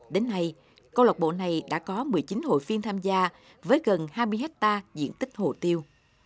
đến nay công lộc bộ này đã có một mươi chín hội phiên tham gia với gần hai mươi hectare diện tích hồ tiêu